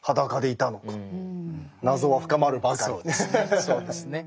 謎は深まるばかりですね。